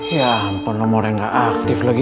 ya ampun nomornya gak aktif lagi